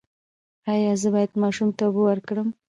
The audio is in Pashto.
ایا زه باید ماشوم ته اوبه ورکړم؟